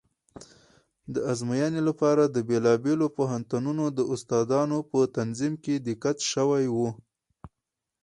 د ازموینې لپاره د بېلابېلو پوهنتونونو د استادانو په تنظیم کې دقت شوی و.